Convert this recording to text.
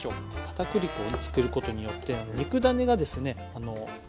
かたくり粉をつけることによって肉ダネがですね